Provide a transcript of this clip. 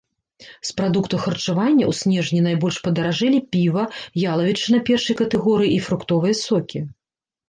З прадуктаў харчавання ў снежні найбольш падаражэлі піва, ялавічына першай катэгорыі і фруктовыя сокі.